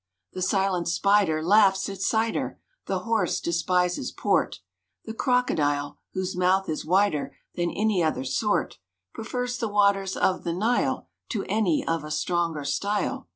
= The silent Spider laughs at cider, `The Horse despises port; The Crocodile (whose mouth is wider `Than any other sort) Prefers the waters of the Nile To any of a stronger style.